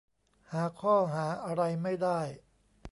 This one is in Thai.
หาข้อหาอะไรไม่ได้